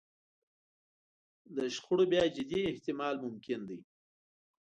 د شخړو بیا جدي احتمال ممکن دی.